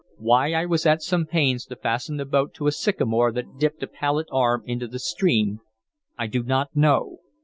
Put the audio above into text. Why I was at some pains to fasten the boat to a sycamore that dipped a pallid arm into the stream I do not know.